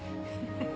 フフフ。